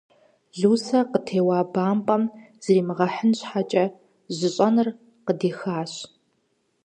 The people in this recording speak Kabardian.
Лусэ, къытеуа бампӀэм зримыгъэхьын щхьэкӀэ, жьыщӀэныр къыдихащ.